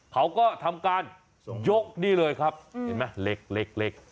เขาก็ทำการยกนี่เลยครับเห็นไหมเล็ก